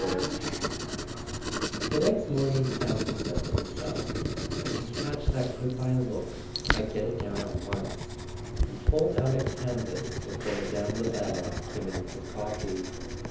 XXXIV iHE next morning Campton said to himself: "I JL can catch that goodbye look if I get it down at once " and pulled out a canvas before Mme. Lebel came in with his coffee.